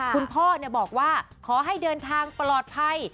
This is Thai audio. คุณพ่อบอกว่าขอให้เดินทางปลอดภัย